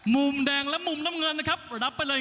มุมแดงและมุมน้ำเงินนะครับรับไปเลย